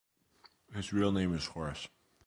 His real name is Horace.